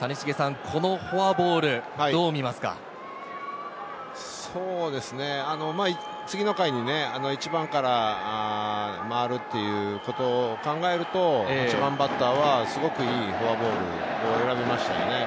このフォアボール、そうですね、次の回に１番から回るっていうことを考えると、１番バッターはすごくいいフォアボールを選びましたよね。